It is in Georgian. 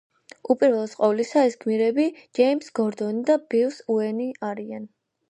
უპირველეს ყოვლისა, ეს გმირები ჯეიმზ გორდონი და ბრიუს უეინი არიან.